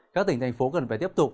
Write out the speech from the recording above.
các tỉnh thành phố cần phải tiếp tục